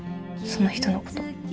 その人のこと。